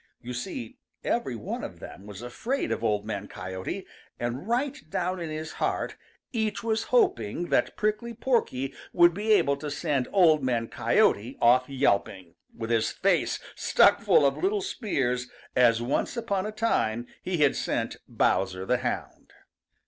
You see, every one of them was afraid of Old Man Coyote, and right down in his heart each was hoping that Prickly Porky would be able to send Old Man Coyote off yelping, with his face stuck full of little spears as once upon a time he had sent Bowser the Hound.